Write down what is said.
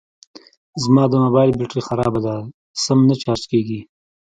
زما د موبایل بېټري خرابه ده سم نه چارج کېږي